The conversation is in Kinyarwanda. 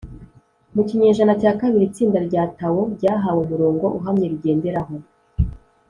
mu kinyejana cya kabiri itsinda rya tao ryahawe umurongo uhamye rigenderaho.